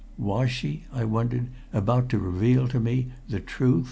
Was she, I wondered, about to reveal to me the truth?